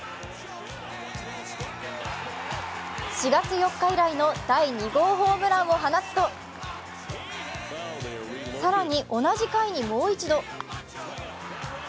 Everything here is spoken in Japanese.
４月４日以来の第２号ホームランを打つと更に同じ回にもう一度。